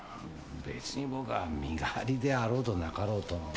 別に僕は身代わりであろうとなかろうと。